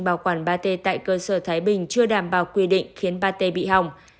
bảo quản pate tại cơ sở thái bình chưa đảm bảo quy định khiến pate bị hỏng